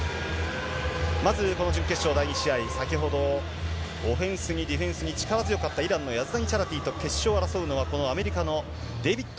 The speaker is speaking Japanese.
まずこの準決勝第２試合、先ほど、オフェンスにディフェンスに力強かったヤズダニチャラティと決勝を争うのは、このアメリカのデービッド